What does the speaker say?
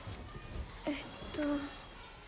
えっと。